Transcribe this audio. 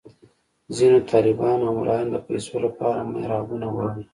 ځینو طالبانو او ملایانو د پیسو لپاره محرابونه وهل.